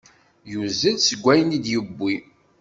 Yuzzel seg ayen i d-yewwi.